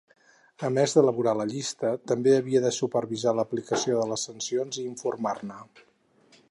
A més d'elaborar la llista, també havia de supervisar l'aplicació de les sancions i informar-ne.